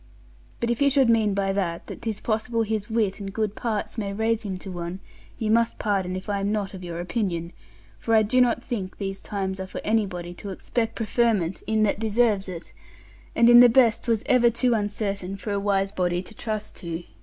But if you should mean by that, that 'tis possible his wit and good parts may raise him to one, you must pardon if I am not of your opinion, for I do not think these are times for anybody to expect preferment in that deserves it, and in the best 'twas ever too uncertain for a wise body to trust to.